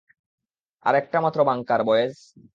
আর একটা মাত্র bunker, boys!